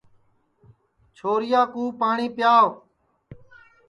چھورِیا کُو پاٹؔی پِیاوَ